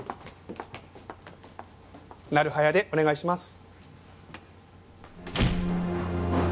なる早でお願いします。